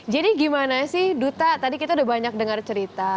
jadi gimana sih duta tadi kita sudah banyak dengar cerita